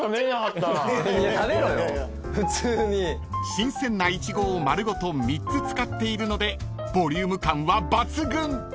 ［新鮮なイチゴを丸ごと３つ使っているのでボリューム感は抜群］